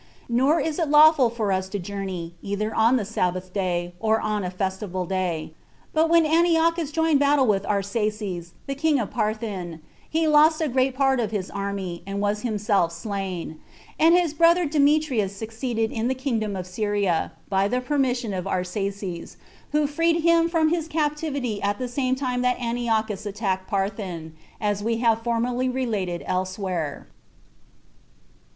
Nor is it lawful for us to journey, either on the Sabbath day, or on a festival day 24 But when Antiochus joined battle with Arsaces, the king of Parthia, he lost a great part of his army, and was himself slain; and his brother Demetrius succeeded in the kingdom of Syria, by the permission of Arsaces, who freed him from his captivity at the same time that Antiochus attacked Parthia, as we have formerly related elsewhere.